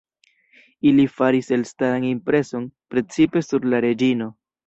Ili faris elstaran impreson, precipe sur la reĝino.